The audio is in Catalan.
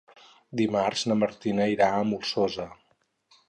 Dimarts na Martina irà a la Molsosa.